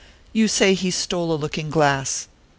You say he stole a looking glass.